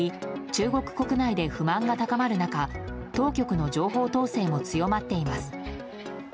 中国国内で不満が高まる中当局の情報統制も強まっています。